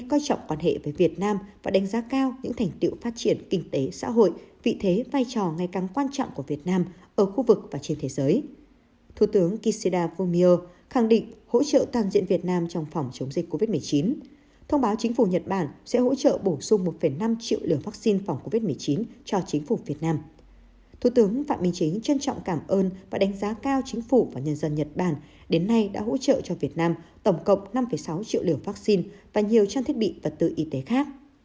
thủ tướng phạm minh chính trân trọng cảm ơn và đánh giá cao chính phủ và nhân dân nhật bản đến nay đã hỗ trợ cho việt nam tổng cộng năm sáu triệu liều vaccine và nhiều trang thiết bị và tự y tế khác